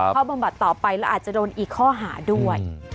ถูกเข้าบางบัตรต่อไปแล้วอาจจะโดนอีกข้อหาด้วย